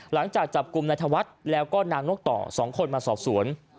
หลังจากจับกลุ่มนายธวัฒน์แล้วก็นางนกต่อ๒คนมาสอบสวน